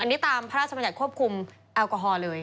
อันนี้ตามพระราชบัญญัติควบคุมแอลกอฮอล์เลย